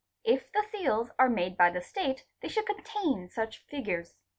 If the seals are made by the state they should contain such figures.